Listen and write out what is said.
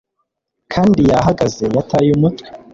kandi yahagaze yataye umutwe